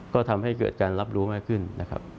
ก็ทำให้เกิดการรับรู้มากขึ้นนะครับ